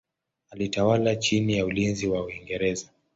Alitawala chini ya ulinzi wa Uingereza.